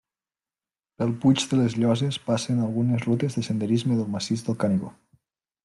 Pel Puig de les Lloses passen algunes rutes de senderisme del massís del Canigó.